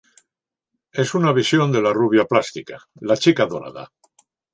Es una visión de la rubia plástica, la chica dorada.